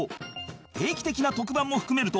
定期的な特番も含めると